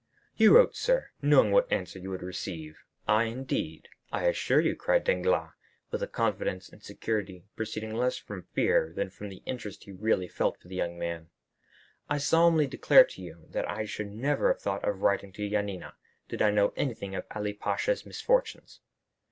"You wrote, sir, knowing what answer you would receive." "I, indeed? I assure you," cried Danglars, with a confidence and security proceeding less from fear than from the interest he really felt for the young man, "I solemnly declare to you, that I should never have thought of writing to Yanina, did I know anything of Ali Pasha's misfortunes."